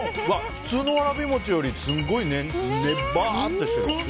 普通のわらび餅よりすごいネバーっとしてる。